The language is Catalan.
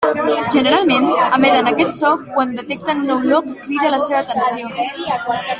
Generalment, emeten aquest so quan detecten una olor que crida la seva atenció.